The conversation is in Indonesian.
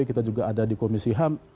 kita juga ada di komisi ham